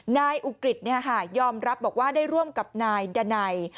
นายอุกฤษยอมรับบอกว่าได้ร่วมกับนายดันัย